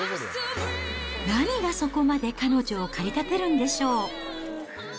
何がそこまで彼女を駆り立てるんでしょう。